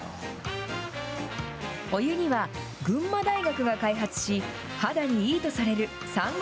お湯には、群馬大学が開発し、肌にいいとされるサンゴ